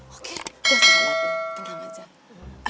oke gue selamat nih tenang aja